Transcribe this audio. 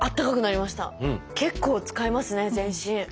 結構使いますね全身。